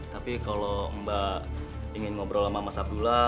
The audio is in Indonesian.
tapi kalau mbak ingin ngobrol sama mas abdullah